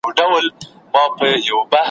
نن سبا به ګورو عدالت د نړۍ څه وايي `